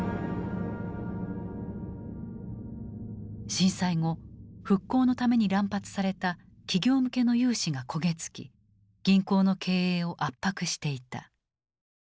震災後復興のために乱発された企業向けの融資が焦げ付き銀行の経営を圧迫していた。